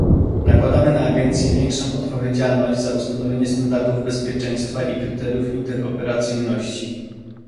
Nakładamy na Agencję większą odpowiedzialność za ustanowienie standardów bezpieczeństwa i kryteriów interoperacyjności